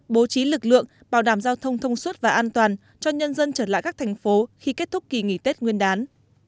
bố trí lực lượng bảo đảm giao thông thông suốt và an toàn cho nhân dân trở lại các thành phố khi kết thúc kỳ nghỉ tết nguyên đán